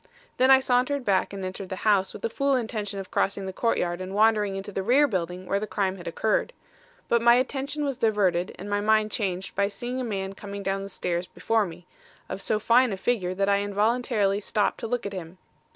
Then I sauntered back and entered the house with the fool intention of crossing the courtyard and wandering into the rear building where the crime had occurred. But my attention was diverted and my mind changed by seeing a man coming down the stairs before me, of so fine a figure that I involuntarily stopped to look at him.